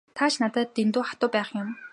Та ч надад дэндүү хатуу байх юм.